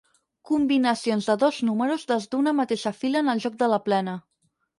Combinacions de dos números dels d'una mateixa fila en el joc de la plena.